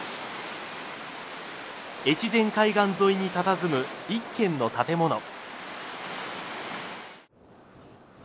越前海岸沿いにたたずむ１軒の建物。